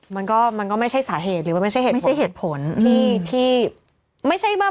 มันก็ไม่ใช่สาเหตุหรือว่าไม่ใช่เหตุผล